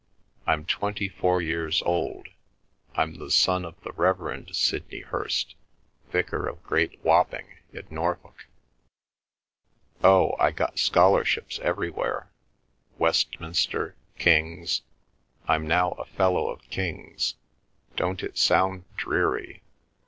"I'm twenty four years old. I'm the son of the Reverend Sidney Hirst, vicar of Great Wappyng in Norfolk. Oh, I got scholarships everywhere—Westminster—King's. I'm now a fellow of King's. Don't it sound dreary?